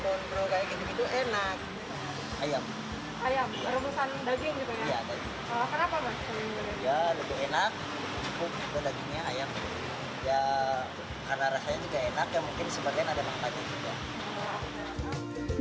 ya lebih enak dagingnya ayam karena rasanya juga enak mungkin sebagian ada manfaatnya juga